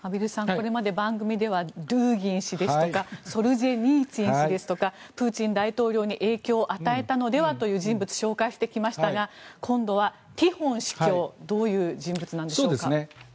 これまで番組ではドゥーギン氏ですとかソルジェニーツィン氏とかプーチン大統領に影響を与えたのではという人物を紹介してきましたが今度はティホン司教どういう人物でしょうか。